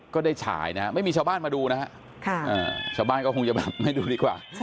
ฉายนะฮะไม่มีชาวบ้านมาดูนะฮะชาวบ้านก็คงจะแบบไม่ดูดีกว่า